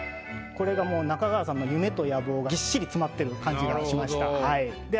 これがもう中川さんの夢と野望がぎっしり詰まってる感じがしました。